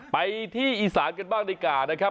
ไปที่อีสานกันบ้างในก่าง